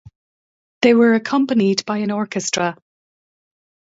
They were accompanied by an orchestra.